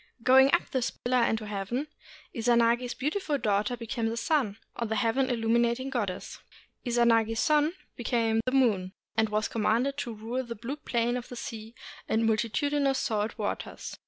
Going up this pillar into heaven, Izanagi's beautiful daughter became the sun, or the Heaven illuminating Goddess. Izanagi's son became the moon, and was commanded to rule the blue plane of the sea and multitudinous salt waters.